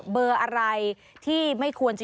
เบอร์อะไรที่ไม่ควรอยู่ด้วยกัน